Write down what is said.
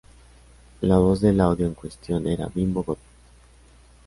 La voz del audio en cuestión era de Bimbo Godoy.